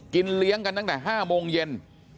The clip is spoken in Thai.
เลี้ยงกันตั้งแต่๕โมงเย็น